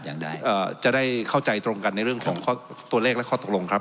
อย่างไรเอ่อจะได้เข้าใจตรงกันในเรื่องของข้อตัวเลขและข้อตกลงครับ